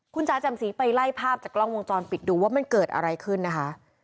คุณจ๋าแจ่มสีไปไล่ภาพจากกล้องวงจรปิดดูว่ามันเกิดอะไรขึ้นนะคะ